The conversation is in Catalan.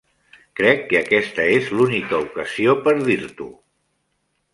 Crec que aquesta és l'única ocasió per dir-t'ho.